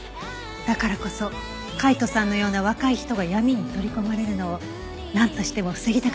だからこそ海斗さんのような若い人が闇に取り込まれるのをなんとしても防ぎたかったのかもしれない。